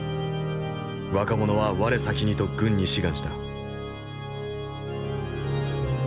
若者は我先にと軍に志願した。